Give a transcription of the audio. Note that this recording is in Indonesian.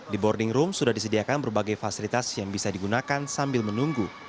di boarding room sudah disediakan berbagai fasilitas yang bisa digunakan sambil menunggu